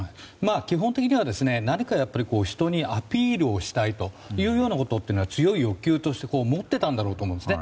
基本的には何かやっぱり人にアピールをしたいというようなことは強い欲求として持っていたと思うんですね。